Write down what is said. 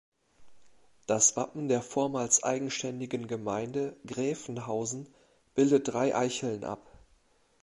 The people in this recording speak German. Das Wappen der vormals eigenständigen Gemeinde Gräfenhausen bildet drei Eicheln ab.